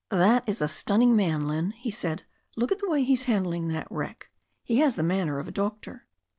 "That man is stunning, Lynne," he said. "Look at the way he's handling that wreck. He has the manner of a doctor."